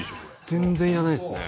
全然いらないっすね